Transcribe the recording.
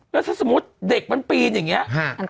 แล้วถ้าสมมุติเด็กมันปีนอย่างนี้